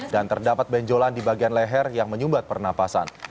dan terdapat benjolan di bagian leher yang menyumbat pernapasan